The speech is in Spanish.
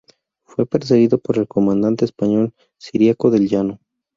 Fue perseguido por el comandante español Ciriaco del Llano.